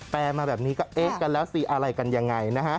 มาแบบนี้ก็เอ๊ะกันแล้วสิอะไรกันยังไงนะฮะ